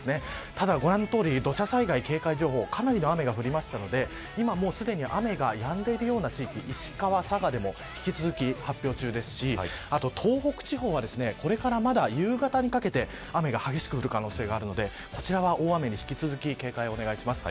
ただ、ご覧のとおり土砂災害警戒情報かなりの雨が降ったので雨がやんでいるような地域石川、佐賀でも引き続き、発表中ですし東北地方はこれからまだ、夕方にかけて雨が激しく降るような可能性があるのでこちら大雨に引き続き、警戒お願いします。